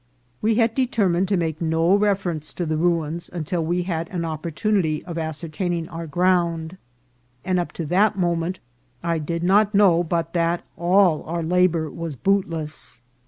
We had determined to make no reference to the ruins until we had an oppor tunity of ascertaining our ground, and up to that mo ment I did not know but that all our labour was boot less.